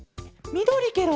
みどりケロ？